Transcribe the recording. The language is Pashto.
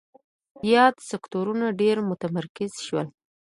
یاد سکتورونه ډېر متمرکز شول.